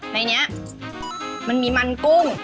ในนี้มันมีมันกุ้ง